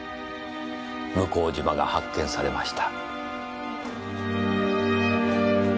向島が発見されました。